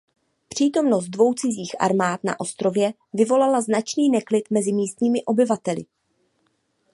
Přítomnost dvou cizích armád na ostrově vyvolala značný neklid mezi místními obyvateli.